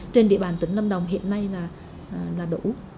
trên địa bàn tỉnh lâm đồng hiện nay là đủ